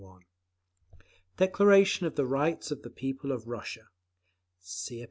1) DECLARATION OF THE RIGHTS OF THE PEOPLES OF RUSSIA (See App.